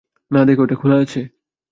না, দেখো, এটা খোলা আছে।